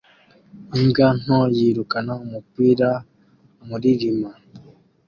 Imbwa nto yirukana umupira muririma